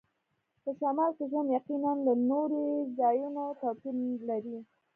په شمال کې ژوند یقیناً له نورو ځایونو توپیر لري